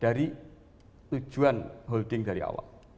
dari tujuan holding dari awal